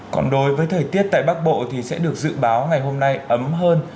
còn đối với thời tiết tại bắc bộ thì sẽ được dự báo ngày hôm nay ấm hơn